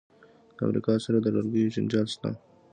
د امریکا سره د لرګیو جنجال شته.